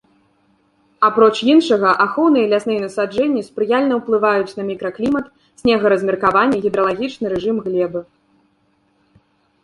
Апроч іншага, ахоўныя лясныя насаджэнні спрыяльна ўплываюць на мікраклімат, снего-размеркаванне, гідралагічны рэжым глебы.